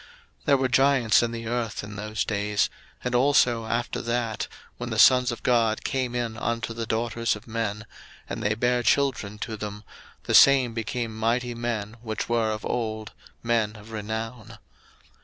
01:006:004 There were giants in the earth in those days; and also after that, when the sons of God came in unto the daughters of men, and they bare children to them, the same became mighty men which were of old, men of renown.